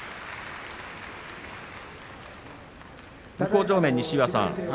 向正面の西岩さん